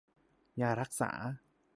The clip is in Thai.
ยารักษา